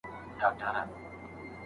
د استقامت لرل د ايمان د بریا تضمین دی.